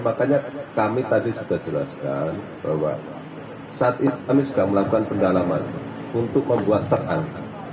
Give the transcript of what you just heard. makanya kami tadi sudah jelaskan bahwa saat ini kami sedang melakukan pendalaman untuk membuat terang